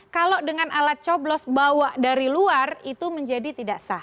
kalau dengan alat coblos bawa dari luar itu menjadi tidak sah